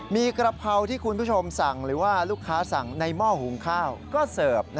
มีกระเพราที่คุณผู้ชมสั่งหรือว่าลูกค้าสั่งในหม้อหุงข้าวก็เสิร์ฟ